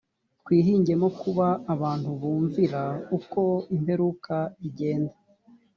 twihingemo kuba abantu bumvira uko imperuka igenda